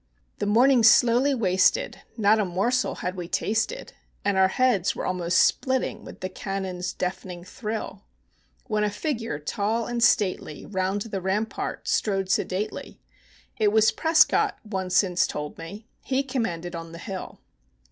The morning slowly wasted, not a morsel had we tasted, And our heads were almost splitting with the cannons' deafening thrill, When a figure tall and stately round the rampart strode sedately; It was PRESCOTT, one since told me; he commanded on the hill.